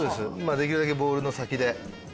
できるだけボールの先で。